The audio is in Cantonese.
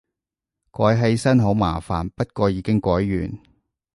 改起身好麻煩，不過已經改完